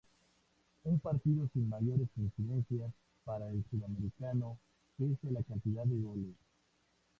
Un partido sin mayores incidencias para el sudamericano pese a la cantidad de goles.